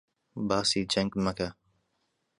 باسی جەنگ مەکە!